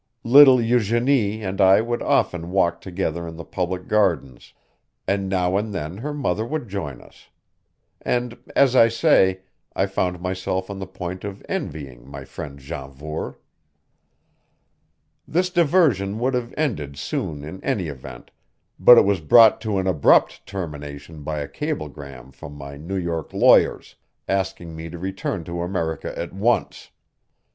Little Eugenie and I would often walk together in the public gardens, and now and then her mother would join us; and, as I say, I found myself on the point of envying my friend Janvour. This diversion would have ended soon in any event; but it was brought to an abrupt termination by a cablegram from my New York lawyers, asking me to return to America at once.